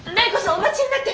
お待ちになって！